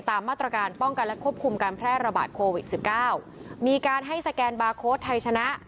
ตามมาตรการป้องกันและควบคุมการแพร่ระบาดโควิดสิบเก้ามีการให้สแกนบาร์โค้ดไทยชนะ